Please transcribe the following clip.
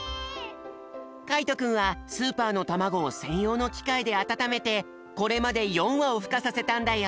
かいとくんはスーパーのたまごをせんようのきかいであたためてこれまで４わをふかさせたんだよ。